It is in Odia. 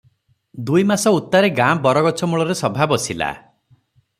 ଦୁଇମାସ ଉତ୍ତାରେ ଗାଁ ବରଗଛ ମୂଳରେ ସଭା ବସିଲା ।